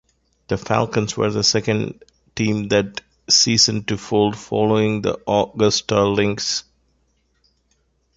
The Falcons were the second team that season to fold, following the Augusta Lynx.